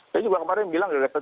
saya juga kemarin bilang